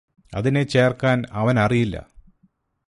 അതിനെ ചേര്ക്കാന് അവനറിയില്ല